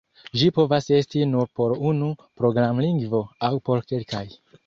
Ĝi povas esti nur por unu programlingvo aŭ por kelkaj.